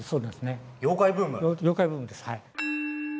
妖怪ブームですはい。